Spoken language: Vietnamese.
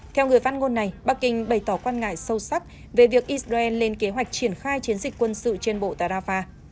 theo người phát ngôn này bắc kinh bày tỏ quan ngại sâu sắc về việc israel lên kế hoạch triển khai chiến dịch quân sự trên bộ tà rafah